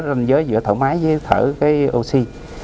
ranh giới giữa thở máy với thở oxy